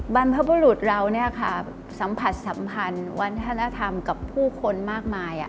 บรรพบุรุษเราสัมผัสสัมพันธ์วัฒนธรรมกับผู้คนมากมาย